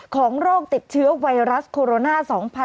โรคติดเชื้อไวรัสโคโรนา๒๐๑๖